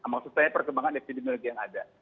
maksudnya perkembangan epidemiologi yang ada